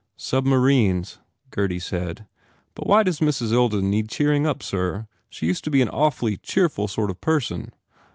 "Submarines," Gurdy said, "But why does Mrs. Ilden need cheering up, sir? She used to be an awfully cheerful sort of person."